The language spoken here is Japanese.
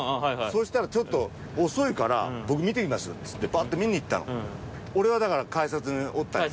そうしたらちょっと遅いから僕見てきますっつってバッて見に行ったの俺はだから改札におったんよ。